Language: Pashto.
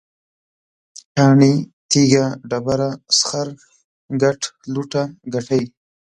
کاڼی، تیږه، ډبره، سخر، ګټ، لوټه، ګټی